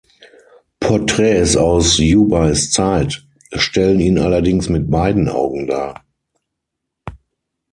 Porträts aus Jubeis Zeit stellen ihn allerdings mit beiden Augen dar.